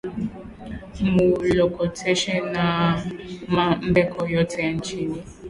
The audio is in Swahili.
Mu lokoteshe na ma mbeko yote ya chini